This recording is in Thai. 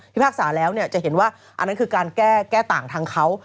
พากษาแล้วจะเห็นว่าอันนั้นคือการแก้ต่างทางเขา